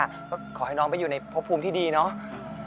ก็ขอให้น้องไปอยู่ในพบภูมิที่ดีเนาะ